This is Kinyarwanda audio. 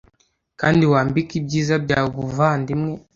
kandi wambike ibyiza byawe ubuvandimwe